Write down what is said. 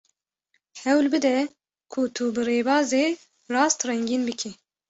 Hewil bide ku tu bi rêbazê rast rengîn bikî.